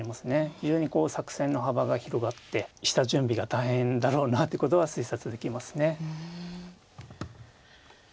非常に作戦の幅が広がって下準備が大変だろうなってことは推察できますね。